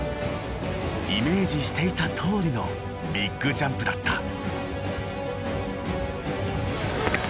イメージしていたとおりのビッグジャンプだった。